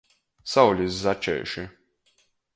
Saulis začeiši.